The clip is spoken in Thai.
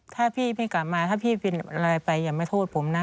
ถ้าพี่กลับมาถ้าพี่เป็นอะไรไปอย่าไม่โทษผมนะ